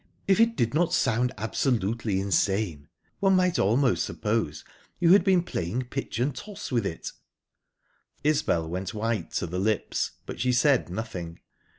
"If it did not sound absolutely insane, one might almost suppose you had been playing pitch and toss with it." Isbel went white to the lips, but she said nothing.